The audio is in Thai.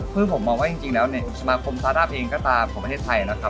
ซึ่งผมมองว่าจริงแล้วเนี่ยสมาคมซาร่าเองก็ตามของประเทศไทยนะครับ